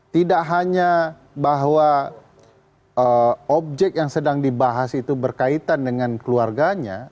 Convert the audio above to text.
tidak hanya bahwa objek yang sedang dibahas itu berkaitan dengan keluarganya